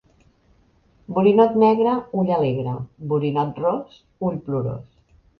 Borinot negre, ull alegre; borinot ros, ull plorós.